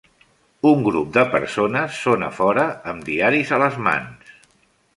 Un grup de persones són a fora, amb diaris a les mans